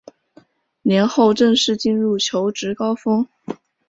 年后正式进入求职高峰